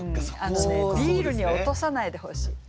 あのね「ビール」には落とさないでほしい。